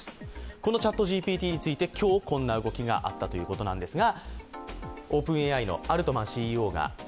このＣｈａｔＧＰＴについて今日、こんな動きがあったということなんですが。